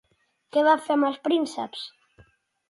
Què va fer amb els prínceps?